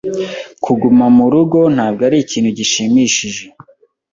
Kuguma murugo ntabwo ari ikintu gishimishije.